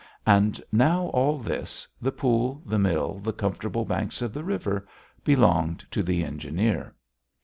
And now all this, the pool, the mill, the comfortable banks of the river, belonged to the engineer!